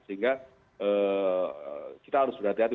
sehingga kita harus berhati hati